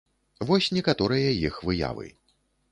Вось некаторыя іх выявы.